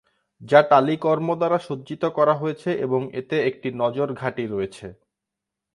যা টালি-কর্ম দ্বারা সজ্জিত করা হয়েছে এবং এতে একটি নজর ঘাঁটি রয়েছে।